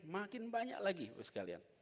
makin banyak lagi ibu sekalian